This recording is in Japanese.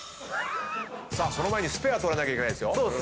その前にスペア取らなきゃいけないですよ。